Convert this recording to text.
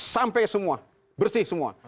sampai semua bersih semua